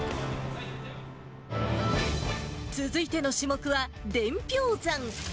続いての種目は伝票算。